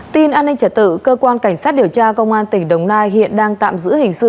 tin an ninh trợ tự cơ quan cảnh sát điều tra công an tỉnh đồng nai hiện đang tạm giữ hiệu quả